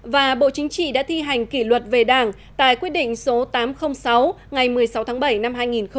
và bộ chính trị đã thi hành kỷ luật về đảng tại quyết định số tám trăm linh sáu ngày một mươi sáu tháng bảy năm hai nghìn một mươi chín